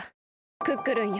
クックルンよ。